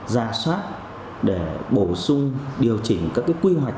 ra soát để bổ sung điều chỉnh các quy hoạch